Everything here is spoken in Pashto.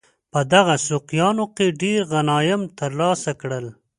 په دغو سوقیانو کې ډېر غنایم ترلاسه کړل.